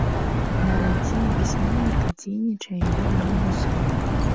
На радзіме пісьменніка дзейнічае яго дом-музей.